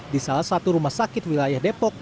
di salah satu rumah sakit wilayah depok